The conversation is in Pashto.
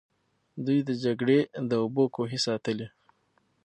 دوی د جګړې د اوبو کوهي ساتلې.